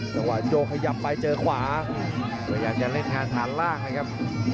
จังหวะโยกขยับไปเจอขวาพยายามจะเล่นงานฐานล่างนะครับ